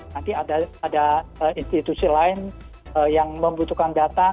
nanti ada institusi lain yang membutuhkan data